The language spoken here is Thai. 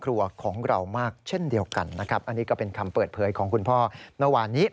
อันนี้ก็เป็นคำเปิดเผยของคุณพ่อเมื่อวานนี้